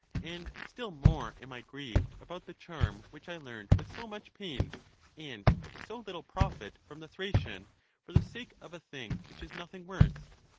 And still more am I grieved about the charm which I learned with so much pain, and to so little profit, from the Thracian, for the sake of a thing which is nothing worth.